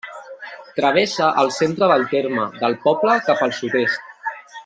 Travessa el centre del terme, del poble cap al sud-est.